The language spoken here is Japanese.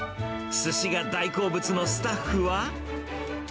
すしが大好物のスタッフは。